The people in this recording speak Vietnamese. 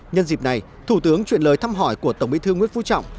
nhân dịp này thủ tướng chuyển lời thăm hỏi của tổng bí thư nguyễn phú trọng